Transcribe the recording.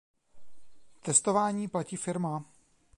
Testování platí firma.